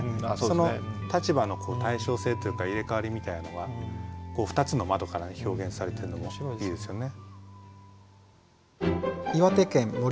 その立場の対称性というか入れ代わりみたいなのが２つの窓から表現されてるのもいいですよね。